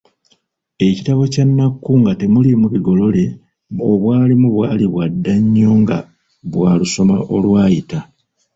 Ekitabo kya Nnakku nga temuliimu bigolole obwalimu bwali bwadda nnyo nga bwa lusoma olwayita.